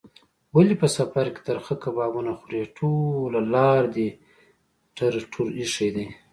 ولې په سفر کې ترخه کبابونه خورې؟ ټوله لار دې ټر ټور ایښی دی.